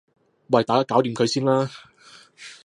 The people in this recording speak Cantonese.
喂大家搞掂佢先啦